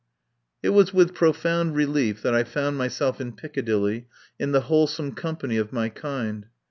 It was with profound relief that I found myself in Piccadilly in the wholesome com pany of my kind.